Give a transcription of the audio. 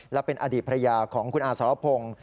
และเป็นอดีตภรรยาของคุณอาสรพงศ์